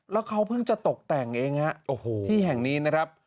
แล้วเขาเพิ่งจะตกแต่งเองที่แห่งนี้นะครับ